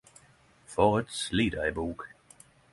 For eit slit av ei bok.